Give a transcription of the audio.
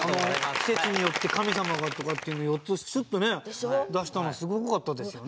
季節によって神様がとかっていうの４つすっと出したのすごかったですよね。